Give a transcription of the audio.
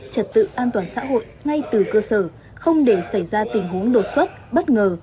trật tự an toàn xã hội ngay từ cơ sở không để xảy ra tình huống đột xuất bất ngờ